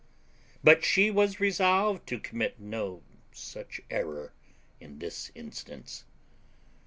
But she was resolved to commit no such error in this instance.